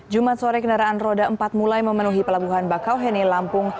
jumat sore kendaraan roda empat mulai memenuhi pelabuhan bakauheni lampung